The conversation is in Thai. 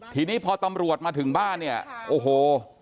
ทีนี้พอตำรวจมาถึงบ้านเนี่ยโอ้โห